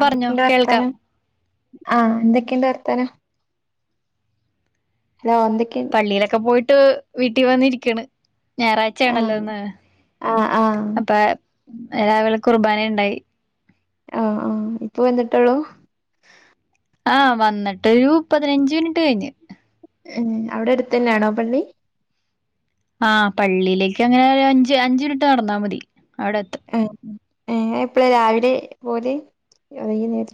എന്തൊക്കെ പറഞ്ഞോ ഇണ്ട് കേൾക്കാം വർത്താനം ആ എന്തെക്കെ ഇണ്ട് വർത്താനം ഹലോ ന്തേക്ക് ട്ടോ വീട്ടിൽ വന്ന് ഇരിക്കാണ് ഞായാറച്ചായാണെല്ലോ ആഹ് എന്ന് ആഹ് ആഹ് അപ്പോ രാവിലെ കൃപനഇണ്ടായി ആ ആ ഇപ്പോ വന്നിട്ടുള്ളൂ ആ വന്നിട്ട് ഒരു പതിനഞ്ചു മിനിറ്റ് കഴിഞ്ഞു ഉം അവിടെ അടുത്ത് തന്നെയാണോ പള്ളി ആ പള്ളിലേക്ക് അങ്ങനെ ഒരു അഞ്ച് അഞ്ച് മിനിറ്റ് നടന്നാൽ മതി അവിടെത്തും ഉം നീ അപ്പളാ രാവിലെ പോകല് അല്ലകിൽ നേരത്ത്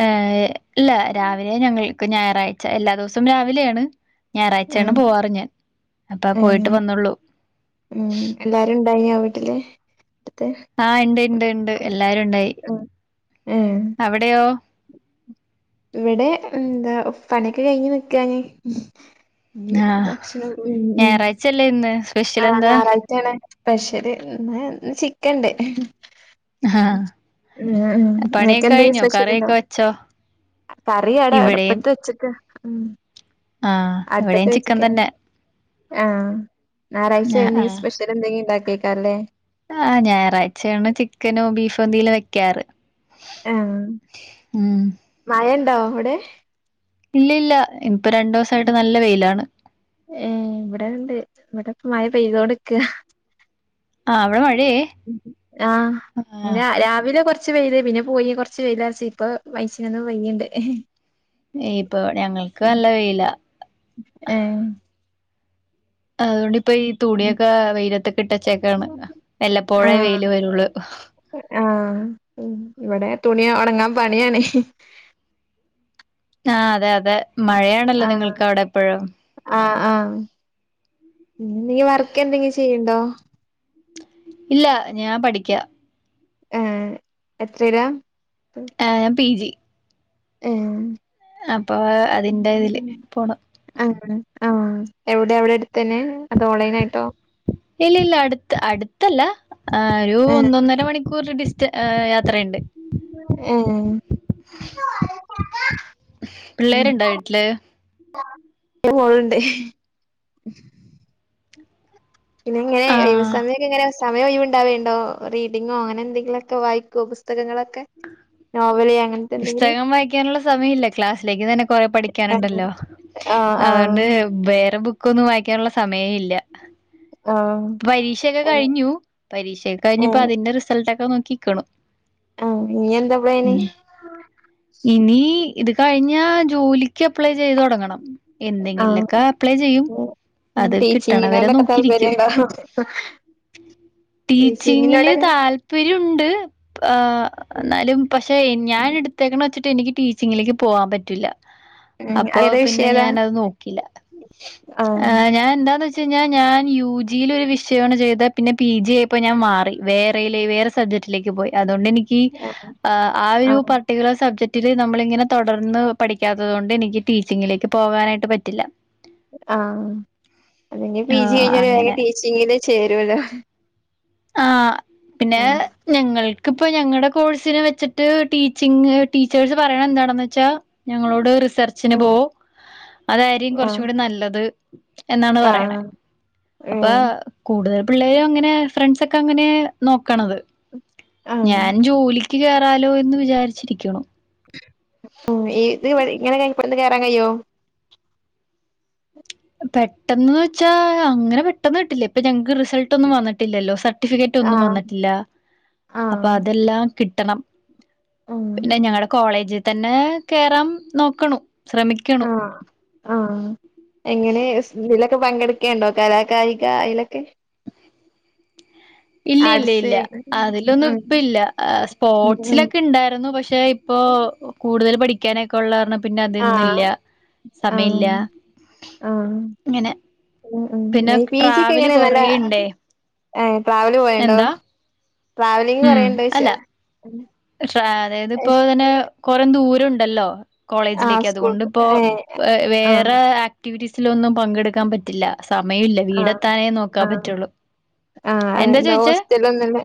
ആ ഇല്ല രാവിലെ ഞങ്ങൾ ഞാറാഴ്ച്ച എല്ലാ ദിവസം രാവിലെയാണ് ഞാറാഴ്ച്ചയാണ് ഉം പോകാർ ഞാൻ അപ്പോൾ ഉം പോയിട്ട് വന്നേള്ളൂ ണ്ടായോ വീട്ടിലെ ആഹ് ഇണ്ട് ഇണ്ട് ഇണ്ട് എല്ലാരും ഇണ്ടായി ഏഹ് അവിടെയോ ഇവിടെ എന്താ പണിയൊക്കെ കഴിഞ്ഞ് നിക്കാണ് ഇനി ആഹ് ഭക്ഷണം ഉം ഉം ഞാറാഴ്ച്ചഅല്ലേ എന്ന് ആഹ് ഞാറച്ചായാണ് സ്പെഷ്യലെ ഇന്ന് ചിക്കൻണ്ട് ആ ആഹ് ഉം നിനക്ക് പണിയൊക്കെ എന്തേലും കഴിഞ്ഞോ സ്പെഷ്യൽ ഉണ്ടോ കറിയൊക്കെ വെച്ചോ? കറി അവിടെ ഇവിടെയും അടുപ്പത്ത് വെച്ചേക്കാ ഉം ആഹ് അടുപ്പത്ത് ഇവിടെയും ചിക്കൻ തന്നെ ആഹ് ഞാറാഴ്ച്ച ആഹ് എന്തെകിലും ആഹ് സ്പെഷ്യൽ എന്തെങ്കിലും ഇണ്ട കേക്കല്ലേ ആഹ് ഞാറച്ചയാണ് ചിക്കനോ ബീഫ് എന്തെല് വെക്കാറ് ആഹ് ഉം മഴഇ ണ്ടൊ അവിടെ ഇല്ലില്ല ഉം ഉം ഏ ഇവിടെയുണ്ട് ഇവിടെ ഇപ്പം മയ പെയ്തോണ്ട്ക്കാ ആ അവിടെ മഴ ആ രാവിലെ കുറച്ച് ച്ച് വെയില് പിന്നെ പോയി കുറച്ചു വെയിലാച്ച് ഇപ്പോ [unintelligible] ഇപ്പോൾ ഞങ്ങൾക്ക് നല്ല വെയിലാ ഏഹ് അതുകൊണ്ട്പ്പ ഈ തുണിയൊക്കെ വെയിലത്തിട്ട് വെച്ചേക്കാണ് വല്ലപ്പോഴെ ആഹ് വെയില് വരോള്ളൂ ആഹ് ഇവിടെ തുണി ഉണങ്ങാൻ പണിയാണ് ആ അതെ അ തെ മഴയാണല്ലോ നിങ്ങൾക്ക് അവിടെ എപ്പോഴും ആ നീ വർക്ക് എന്തെങ്കിലും ചെയ്യേണ്ടോ ഇല്ല ഞാൻ പഠിക്ക ഏ എത്രയിലാ ഏ പിജി ഏ അപ്പോ അതിന്റെ ഇതില് പോണ് ആ എവിടെ അവിടെ അടു ഇല്ലില്ല അടുഅടുത്തല്ല ആ ഏ ഒന്നൊന്നര മണിക്കൂർ ഡിസ് [inaudible] ത്ര [unintelligible] ണ്ട് ഏ പിള്ളേരുണ്ട് വീട്ടില് ഒരു മോളുണ്ട് ആ [unintelligible] സമയ ഒയിവാവണ്ടറീഡിങ് അങ്ങനെയന്തങ്കിലുമൊക്കെ വായിക്കൂ പുസ്തകങ്ങളൊക്കെ ക്ക നോവല് അ പുസ്തകം വായിക്കാനുള്ള സമയമില്ല ക്ലാസിലേക്ക് തന്നെ കുറെ പഠിക്കാൻ ആഹ് ഉണ്ടല്ലോ അതുകൊണ്ട് ആഹ് ബ വേറെ ബുക്ക് ഒന്നും വായിക്കാനുള്ള സമയമില്ല ആഹ് പരീക്ഷയൊക്കെ കഴിഞ്ഞു പരീക്ഷയൊക്കെ കഴിഞ്ഞ് അതിന്റെ റിസൾട്ട് ക്ക നോക്കിക്കണ ഉം ഇനിയെന്താ പ്ലാൻ ഇനി ഇത് കഴിഞ്ഞ ജോലിക്ക് അപ്ലൈ ചെയ്തു തുടങ്ങണം ആഹ് എന്തെങ്കിലുമൊക്കെ അപ്ലൈ ചെയ്യും അത് കിട്ടണവരെ ടീച്ചിങ്ങിനോടൊക്കെ നോക്കിയിരിക്കും താല്പര്യണ്ടോ ടിച്ചിങ്ങിൽ ടീച്ചിങ്ങിനോടെ താല്പര്യണ്ട് ഉഹ് എന്നാലും പക്ഷേ ഞാൻ എടുത്തേക്ക്ണ വെച്ചിട്ട് എനിക്ക് ടീച്ചിങ്ങിലേക്ക് പോകാൻ പറ്റൂല്ല ഉം അപ്പൊ, അതേതാ പിന്നെ വിഷയേതാ ഞാൻ അത് നോക്കിയില്ല. ആഹ് ഞാൻ എന്താന്ന് വെച്ചുകഴിഞ്ഞാൽ, ഞാൻ യു ജിൽ ഒരു വിഷയാണൂ ചെയ്തെ പിന്നെ പി ജി ആയപ്പോ ഞാൻ മാറി വേറെയിലേ വേറെ സബ്ജക്റ്റിലേക്ക് പോയി അത് അതോണ്ട് എനിക്ക് ആ ഒരു ആഹ് പാർട്ടികുലാർ സബ് ഇത് നമ്മൾ ഇങ്ങനെ തുടർന്ന് പഠിക്കാത്തത് കൊണ്ട് എനിക്ക് ടീച്ചിങ്ങിലേക്ക് പോകാനായിട്ട് പറ്റില്ല അഹ് അല്ലെങ്കിൽ പിജി ആഹ് കയിഞ് അങ്ങനെ വേഗോ ടീച്ചി ചി [unintelligible] ൽ ചേരുവലോ ആ പിന്നെ ഞങ്ങൾ ഇപ്പോ ഞങ്ങളടെ കോഴ്സിനെ വെച്ചിട്ട് ടീച്ചിംഗ്, ടീച്ചേഴ്സ് പറയുന്നത് എന്താണെന്ന് വെച്ചാ ഞങ്ങളോട് റിസ്ക് ചർചിൻ ഉം പോവു അതായിരി ആഹ് കുറച്ചുകൂടി നല്ലത് എന്നാണ് പറയണേ. ആഹ് അപ്പോ ഉം കൂടുതൽ പിള്ളേരും അങ്ങനെ ഫ്രണ്ട്‌സ് ഒക്കെ അങ്ങനെ നോക്കണത് ആഹ് ഞാൻ ജോലി എനിക്ക് കയറാലോ എന്ന് വിചാരിച്ചിരിക്കോ അപ്പോ ഏത് വഴി ഞാൻ [unintelligible] ഇന്ന് കേറാൻ കയ്യോ പെട്ടെന്ന് വെച്ച അങ്ങനെ പെട്ടെന്ന് കിട്ടില്ലെ ഇപ്പോ ഞങ്ങക്ക് റിസൾട്ട് ഒന്നും വന്നിട്ടില്ലല്ലോ സ ഫിക്കറ്റ് ഒന്നും ആഹ് വന്നിട്ടില്ല അപ്പോ ആഹ് അതെല്ലാം കിട്ടി ട്ടണം ഉം പിന്നെ ഞങ്ങളെ കോളേജ് താന്നെ കേറാം നോക്കണം ആഹ് ആഹ് എ എങ്ങനെ എസ് നില് പങ്കെടുക്കേണ്ടോ കലാകായിക ആയിലൊക്കെ ഇല്ലേയില്ല ഇല്ല അതിലൊന്നും ഉം ഇപ്പൊല്ല്യ സ്പോർട്സിൽ ഉം ഒക്കെ ഇണ്ടായിരുന്നു പക്ഷേ ഇപ്പോൾ കൂടുതൽ പഠി ക്കെനെ കൊള്ളാർണം പിന്നെ അതൊന്നില്ല ആഹ് ആഹ് സമയല്ല ഇങ്ങനെ പിന്നെ [unintelligible] പീ ജി ട്രാവല് കെങ്ങനെ നല്ല കൊറേ ഇണ്ടേ ഏഹ് ട്രാവൽ പോഹേണ്ടോ എന്താ ട്രാവലിങ് കുറേണ്ടോയ്ച്ച [unintelligible] അതയത് ഇപ്പൊ തന്നെ കൊറെ ദുരോ ഉണ്ടല്ലോ ആഹ് കോളേജിലേക്ക് അതുകൊണ്ട് സ്കൂൾക്ക് ഇപ്പൊ ഏഹ് ആഹ് വേറെ ആക്ടിവിറ്റിസ് ലൊന്നും പങ്കടുക്കാൻ പറ്റില്ല സമയമില്ല ആഹ് വീടെത്താനേ നോക്കാൻ ആഹ് പറ്റുള്ളൂ ആഹ് എന്താ ആഹ് ചോയിച്ചേ ഹോസ്റ്റലൊന്ന് ല്ലെ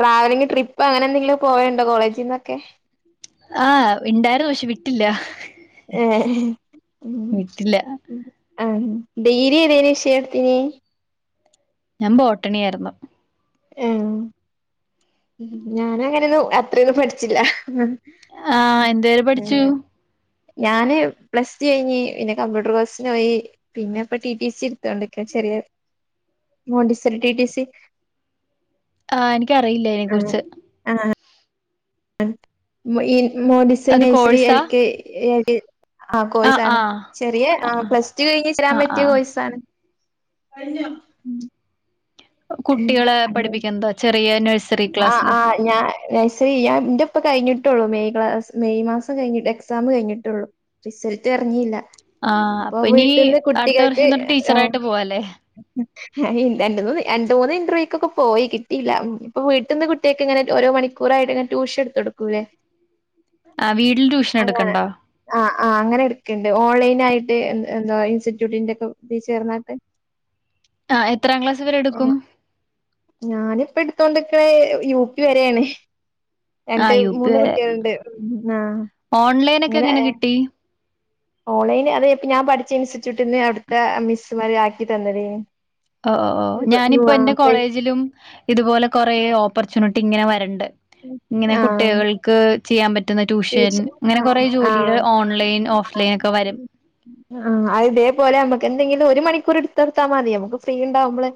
ട്രാവലിംഗ് ട്രിപ്പ്‌ അങ്ങനെന്തെങ്കിലും പോയേണ്ടോ കോളേജിന്നൊക്കെ ആഹ് ഇണ്ടായിരുന്നു പക്ഷെ വിട്ടില്ല ഏഹ് വിട്ടില്ല ആഹ് ഡീ ര്യേതേനി വിഷയട്ത്തീന്യേ ഞാൻ ബോട്ടണിയാർന്നു ഏഹ് ഞാൻ അങ്ങനൊന്നും അത്രയൊന്നും പഠിച്ചില്ല ആഹ് ആഹ് എന്ത് വരെ പഠിച്ചു ഞാന് പ്ലസ്ടു കഴിഞ്ഞ് പിന്നെ കമ്പ്യൂട്ടർ കോഴ്സിനോയി പിന്നെ ഇപ്പം ടി ടി സി എടുത്തോണ്ട്ക്ക ചെറിയ മോൻഡിസൽ ടി ടി സി ആഹ് എനിക്ക് അറിയില്ല അയിനെ കുറിച്ച് മൊ [unintelligible] യീൻ മോഡിസൻ അത് നഴ്‌സറി എൽ കോഴ്സാ കെ ഏ [unintelligible] [unintelligible] ആഹ് കോഴ്സാണ് ചെറിയ ആ ആഹ് പ്ലസ്ടു കഴിഞ്ഞ് ചേരാൻ ആഹ് പറ്റിയ ആഹ് കോഴ്സാണ് കഴിഞ്ഞോ കുട്ട്യേള് പഠിപ്പിക്കെന്തോ ചെ ഡിയാനുവേർസ് ആഹ് ആഹ് ഞാ നേഴ്സറി ഞാൻ എന്റ്റുപ്പം കഴിഞ്ഞി ട്ടൊള്ളു മെയ്‌ ക്ലാസ് മെയ്‌ മാസം കഴിഞ്ഞിട്ട് എക്സാം കഴിഞ്ഞിട്ടേ ഉള്ളൂ റിസൾട്ട്‌ എർങ്ങീല്ല ആഹ് ഇപ്പൊ അപ്പൊ ഇനി വീട്ടീന്ന് അടുത്ത കുട്ടികക്ക് വർഷം തൊട്ട് ആ ടീച്ചറായിട്ട് പോവാല്ലേ രണ്ട് മൂന്ന് രണ്ട് മൂന്ന് ഇന്റർവ്യൂ ക്കൊക്കെ പോയി കിട്ടീല്ല ഓ വീട്ടന്ന് കുട്ടികക്കെങ്ങനാ ഓരോ മണിക്കൂറായിട്ട് ഇങ്ങനെ ട്യൂഷൻ എടുത്ത് കൊടുക്കൂലേ ആഹ് വീട്ടിൽ ട്യൂഷൻ അങ്ങനെ എടുക്കണ്ടോ ആഹ് -ആഹ് അങ്ങനെ എടുക്ക തെ ഓൺലൈൻ ആയിട്ട് എ എന്തുവാ ഇൻസിറ്റ്യൂട്ടിന്റെ ഒക്കെ ഇതി ചേർന്നട്ട് ആഹ് എത്രാം ക്ലാസ്സ് വരെ എടുക്കും ഞാനിപ്പ എടുത്തോണ്ടിക്കണേ യു പി വരെയാണ് രണ്ട് ആഹ് യു പി മൂന്ന് വരെ കുട്ടികളുണ്ട് മ്മ് ആഹ് ഓൺലൈൻ ഒക്കെ ഇങ്ങനെ എങ്ങനെ കിട്ടി ഓൺലൈൻ അത് ഇപ്പ ഞാൻ പഠി ഇൻസ്റ്റിറ്റ്യൂട്ടിന്റെ അവിടത്തെ മിസ്സ്‌മാര് ആക്കി തന്നിര് ഒ ഓ ഓ ഞാനിപ്പം എന്റെ കോളേജില് ലും ഇതുപോലെ കൊറേ ഓപ്പർച്യൂണി ഇങ്ങനെ വരണ്ട് ഇങ്ങനെ കുട്ടികൾക്ക് ചെയ്യാൻ പ ടീച്ചർ ആ ആ ഓൺലൈൻ, ആ ഓഫ്‌ലൈൻ ഒക്കെ വരും. ആ അത് ഇതേപോലെ നമുക്ക് എന്തെങ്കിലും ഒരു മണിക്കൂർ എടുത്ത് കൊടുത്ത് മതി നമ്മക്ക് ഫ്രീ ഉണ്ടാവുമ്പോൾ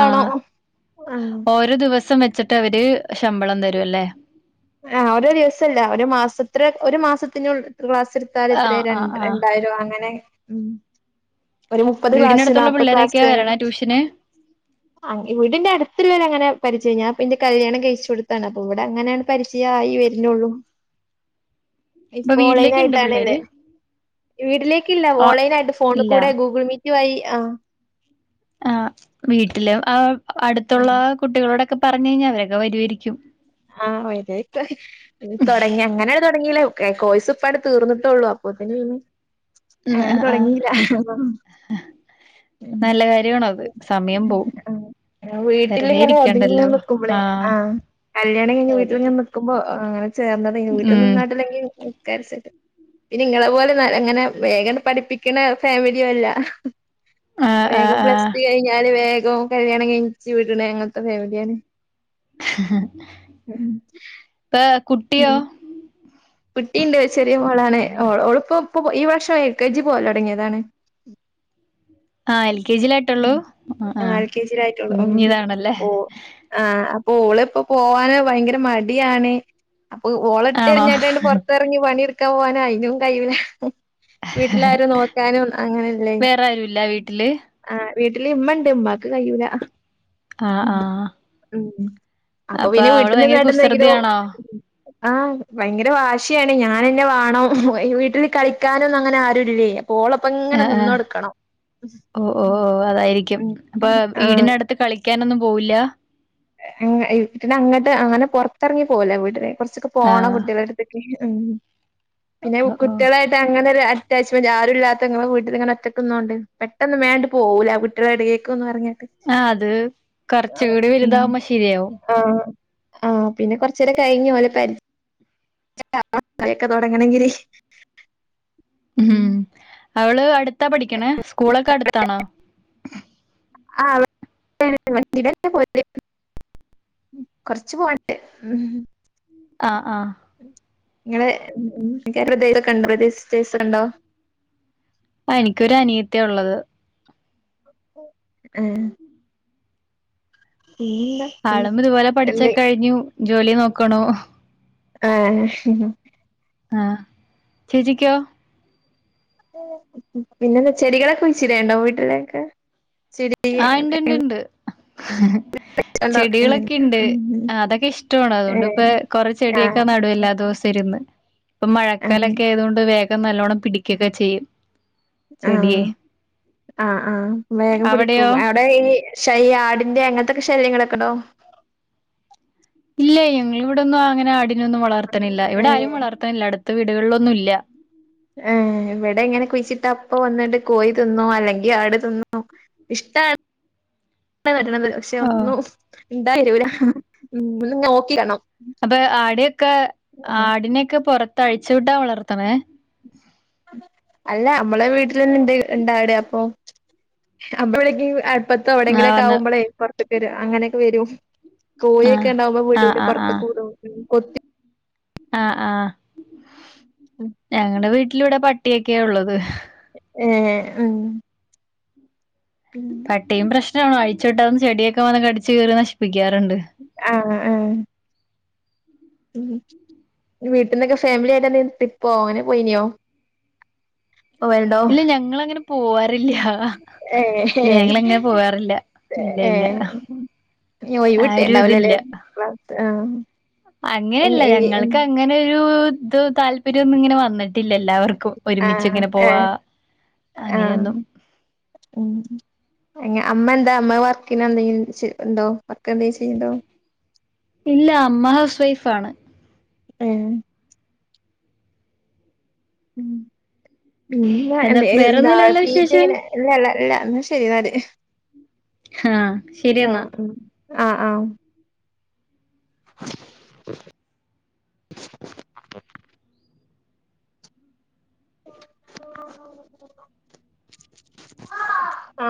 ആ ആഹ് ഓരോ ദിവസം വെച്ചിട്ട് അവര് ശമ്പളം തരും അല്ലേ അ ഓരോ ദിവസം അല്ല ഒരു മാസം ഇത്ര ഒരു മാസത്തുനുള്ളിൽ ഒരു ക്ലാസ്സ്‌ എടുത്താൽ എത്രെയാ ആഹ് ആഹ് രണ്ട് ആഹ്. രണ്ടായിരോ അങ്ങനെ ഉം ഒരു മുപ്പത് ക്ലാസ്സ്‌ വീടിനടുത്തുള്ള നാല്പത് ക്ലാസ്സ്‌ പിള്ളേരൊക്കെയാ കഴിയും വരണേ ട്യൂഷന്? ആ വീടിന്റെ അടുത്തുള്ളവര് അങ്ങനെ പഠിച്ച് കഴിഞ്ഞാൽ പിന്നെ കല്യാണം കഴിച്ച് കൊടുത്തതാണ് അപ്പോ ഇവിടെ അങ്ങനാണ് പരിജയം ആയി വരുന്നതേയുള്ളു അപ്പൊ ഇപ്പോ വീട്ടിലേക്ക്ണ്ട് ഓൺലൈനായിട്ട് പിള്ളേര്? ആണല്ലേ വീട്ടിലേക്കില്ല ആഹ് ഓൺലൈനായിട്ട് ഫോണിൽ ഇല്ല. കൂടി ഗൂഗിൾ മീറ്റ് വഴി ആഹ് ആ വീട്ടില് ആ അടുത്തുള്ള കുട്ടികളോടൊക്കെ പറഞ്ഞു കഴിഞ്ഞാൽ അവരൊക്കെ വരുവായിരിക്കും ആ വരു ആയിരിക്കും തുടങ്ങി അങ്ങനെ തുടങ്ങില്ല കോഴസ് ഇപ്പാ അങ്ങട് തീർന്നിട്ടുള്ളൂ അപ്പൊത്തേനും ഉം അങ്ങനെ ആഹ് ആഹ്. തുടങ്ങിയില്ല നല്ല കാര്യാണത്. സമയം പോവും. വെറുതെ വീട്ടിലിങ്ങിനെ ഒതുങ്ങി ഇരിക്കണ്ടല്ലോ നിക്കുമ്പോളെ ആഹ് കല്യാണം കഴിഞ്ഞ് വീട്ടിൽ ഇങ്ങനെ നിക്കുമ്പോ അങ്ങനെ ചേർന്നതേനു വീട്ടിൽ ഉം നിന്നാട്ടില്ലെങ്കിൽ [inaudible] പിന്നിങ്ങളെ പോലെ അങ്ങനെ വേഗം പഠിപ്പിക്കണ ഫാമിലിയും അല്ല ആഹ് ആഹ് വേഗം പ്ലസ് ആഹ് ടു കഴിഞ്ഞാല് വേഗം ഗോം കല്യാണം കഴിച്ച് വിടണ അങ്ങനത്തെ ഫാമിലിയാണ് ഉം [unintelligible] കുട്ടിയോ കുട്ടീണ്ട് ചെറിയ മോളാണ് ഓളിപ്പൊ ഇപ്പൊ ഈ വർഷം എൽ കെ ജി പോവൽ തുടങ്ങിയതാണ് ആ എൽ കെ ജിയിലായിട്ടൊള്ളൂ ആ ആഹ് എൽ കെ ജിയിലായിട്ടുള്ളൂ കുഞ്ഞീതാണല്ലേ ഓളിപ്പോ പോവാന് ഭയങ്കര മടിയാണ് അപ്പൊ ഓളെ എടുത്ത് ആണോ എറിഞ്ഞട്ടാണ്ട് പൊറത്തിറങ്ങി പണി എടുക്ക പോവാന് അയ്നും കയ്യൂല വീട്ടിലാരും നോക്കാനും അങ്ങനെല്ലേ വേറെ ആരുല്ല വീട്ടില് ആ വീട്ടില് ഇമ്മ ഉണ്ട് ഉമ്മാക്ക് കയ്യൂല ആ ആ അപ്പൊ പിന്നെ വീട്ടിന്ന് നിന്നിട്ടെന്തെങ്കിലും ആ ഭയങ്കര വാശ് ശിയാണ് ഞാനന്ന വാണം പോയി വീട്ടിൽ കളിക്കാനൊന്നും അങ്ങനാരും ഇല്ലേ അ ആ ഓ ഓ അതായിരിക്കും. അപ്പം ആഹ് വീടിനടുത്ത് കളി ക്കാനൊന്നും പൊവൂല? അങ്ങ് ഇത് ഇതിനു അങ്ങട്ട് പുറത്തിറങ്ങി പോകൂല വീടില് കൊറച്ചൊക്കെ പോണം ആഹ് കുട്ടികളുടെ അടുത്തേക്ക് ഉം പിന്നെ ഓ ഓ കുട്ട്യളായിട്ട് അങ്ങനെ ഒരു അ അറ്റാച്ച്മെൻറ് ആരുമില്ലാത്ത ങ്ങടെ വീട്ടിൽ ഇങ്ങനൊറ്റക്ക് നിന്നോണ്ട് പെട്ടെന്നിവൻ അങ്ങോട്ട് പോകൂല കുട്ട്യളെടേക്ക്ന്ന് പറഞ്ഞ് ആ അതു കൊറച്ചുകൂട് വലുതാവുമ്പം ശരിയാകും. ആ പിന്നെ കൊറച്ച് നേരം കയിഞ്ഞ് വന്ന് പ [inaudible] ഒക്കെ തൊടങ്ങണെങ്കില് ഉം അവള് അടുത് ത് പഠിക്കണേ സ്കൂളൊക്കെ അടുത്താണോ? ആ [inaudible] കുറച്ചു പോകാനുണ്ട് ആ ആ ഇങ്ങള് [unintelligible] അ എനിക്ക് ഒരനിയത്തിയ ഉള്ളത്. അ ആളും ഇതുപോലെ എന്തെ പഠിച്ചൊക്കെ കഴിഞ്ഞു. ജോലി നോക്കണൂ. ആ ആ ചേച്ചിക്കോ? പിന്നെ ന്താ ചെടികൾ ഒക്കെ വച്ചിട്ടുണ്ടോ വീട്ടിലേക്ക്. ആ ഇണ്ട് ഇണ്ട് ഇണ്ട് ഉണ്ടോ ചെടികൾ ഏഹ് ഒക്കെ ഇണ്ട് അതൊക്കെ ഇഷ്ടമാണ് അത്കൊണ്ട് കൊറെ ചെടി ഒക്കെ ആഹ് നടും എല്ലാ ദിവസവും ഇരുന്ന്. ഇപ്പം മഴക്കാലം ആഹ് ഒക്കെ ആയതുകൊണ്ട് വേ ഇപ്പം നല്ലോണം പിടിക്ക ഒക്കെ ചെയ്യും. ആ ചെടിയെ ആ ആ വേ പിടിക്കും. അവിടെയോ അവിടെ ഈ ശൈ ആടിന്റെ അങ്ങനത്തെ ഒക്കെ ശല്യങ്ങൾ ഒക്കെ ഉണ്ടോ? ഇല്ല ഞങ്ങളിവിടൊന്നും അങ്ങനെ ആടി നെ ഒന്നും വളർത്തണില്ല ഏഹ് ഇവിടാരും വളർത്തണില്ല അടുത്ത വീ കള്ളൊന്നുല്ല. ഏ ഇവിടെ ഇങ്ങനെ കുയിച്ചിട്ടാ അപ്പം വന്നെൻറെ കോയി തിന്നും അല്ലേങ്കി ആട് തിന്നും ഇഷ്ട [unintelligible] പക്ഷെ ആഹ് ഒന്നും [unintelligible] അപ്പം അവിടെയൊക്കെ ആടിനെയൊക്കെ പൊറ ത്ത് അഴിച്ച് വിട്ടാ വളർത്തണേ? അല്ല നമ്മളെ വിട്ടില് തെന്നണ്ട് ഉണ്ടാട് അപ്പോ അപ്പ വിളി ഇപ്പറത്തോ ആ അവിടെയെങ്കിലും വന്ന് ആകുമ്പളേ പുറത്തേക്ക് വരും. അങ്ങനെക്കെവരും. കോഴിയൊക്കെ ആഹ് ഉണ്ടാവുമ്പ വീട് വിട്ട് പുറത്തേക്ക വിടുവോ? കൊത്തി ആ ആ ഞങ്ങടെ വീ ട്ടിലിവിടെ പട്ടിയൊക്കെയാ ഉള്ളത്. ആ ഉം. പട്ടിയും പ്രശ്- അഴിച്ച് വിട്ടാ ചെടിയൊക്കെ വന്ന് കടിച്ച് കീറി നശിപ്പിക്കും. ആ ആ. വീട്ടിലെക്കെ ഫാമിലിയായിട്ട് തന്നെ പോയനേ പോയിനിയോ? ഇല്ലില്ല നിങ്ങനെപോ പോവാറില്ല. ഏ ഹേ ഇല്ല ഞങ്ങളങ്ങനെ പോവാറില്ല ഇല്ല ഏ ഇല്ല ഒഴിവ് ആ കിട്ടിട്ടുണ്ടാവില്ലല്ലേ- [unintelligible] അങ്ങനെല്ല ഞങ്ങൾക്കങ്ങനെ ഒരു തു താല്പര്യം ഒന്നിങ്ങനെ വന്നി ട്ടില്ല എല്ലാവർക്കും ആഹ് ഒന്നിച്ചിങ്ങനെ ഏഹ് പോവാം. ആഹ് അങ്ങനെയൊന്നും അമ്മ എന്താ അമ്മ വർക്ക് നെന്തേലും ചെയ്യു ഉണ്ടോ വർക്ക് എന്തേലും ചെയ്യുണ്ടോ? ഇല്ല അമ്മ ഹൗസ് വൈഫ് ആണ്. ഉം. ഉം പിന്നെ എന്താ വേറൊന്നുമില്ലല്ലോ പി ജി വിശേഷം ഇങ്ങനെ [unintelligible] ഇല്ല. എന്ന ശരി [unintelligible] ഹാ ശരിയെന്നാ ആ ആ [inaudible] ആ